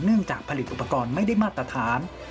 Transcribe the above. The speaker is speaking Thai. จากผลิตอุปกรณ์ไม่ได้มาตรฐาน